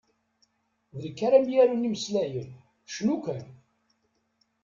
D nekk ara m-yarun imeslayen, cnu kan!